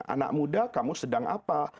anak muda kamu sedang apa